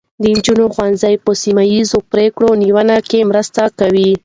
د نجونو ښوونځي په سیمه ایزه پرېکړه نیونه کې مرسته کوي.